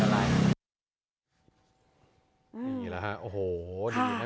อย่างนี้แหละโอ้โหดีนะ